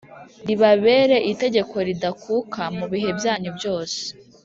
ribabere itegeko ridakuka mu bihe byanyu byose